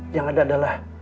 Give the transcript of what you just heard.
yang ada adalah